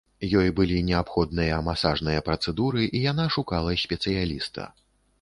Ёй былі неабходныя масажныя працэдуры і яна шукала спецыяліста.